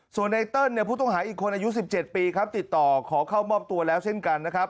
ส่วนไนเติ้ลเนี่ยผู้ต้องหาอีกคนอายุ๑๗ปีครับติดต่อขอเข้ามอบตัวแล้วเช่นกันนะครับ